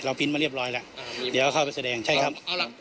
พิ้นมาเรียบร้อยแล้วเดี๋ยวก็เข้าไปแสดงใช่ครับ